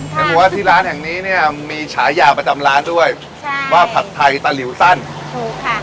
เห็นบอกว่าที่ร้านแห่งนี้เนี้ยมีฉายาประจำร้านด้วยใช่ว่าผัดไทยตะหลิวสั้นถูกค่ะ